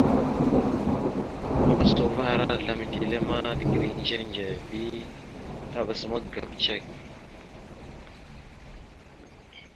Maɓəsa uvah ara azlam etelle ma tegreŋ ndzir ndzir bi taɓas magap cek.